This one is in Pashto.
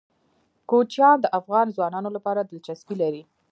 کوچیان د افغان ځوانانو لپاره دلچسپي لري.